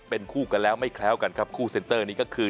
เป็นคู่กันแล้วไม่แคล้วกันครับคู่เซ็นเตอร์นี้ก็คือ